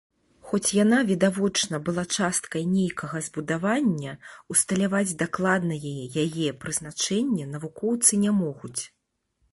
Хоць яна відавочна была часткай нейкага збудавання, усталяваць дакладнае яе прызначэнне навукоўцы не могуць.